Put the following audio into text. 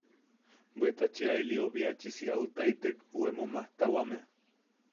Bweta cheʼa ili obiachisi autaitek u emo majtawame.